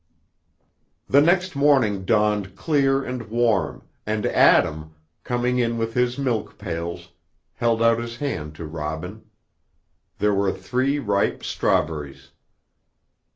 The next morning dawned clear and warm, and Adam, coming in with his milk pails, held out his hand to Robin. There were three ripe strawberries.